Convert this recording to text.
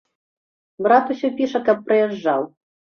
Брат усё піша, каб прыязджаў.